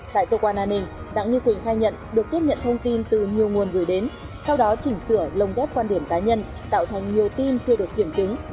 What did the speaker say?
tại cơ quan an ninh đặng như quỳnh khai nhận được tiếp nhận thông tin từ nhiều nguồn gửi đến sau đó chỉnh sửa lồng ghép quan điểm cá nhân tạo thành nhiều tin chưa được kiểm chứng